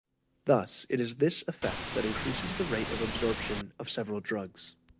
Thus, it is this effect that increases the rate of absorption of several drugs.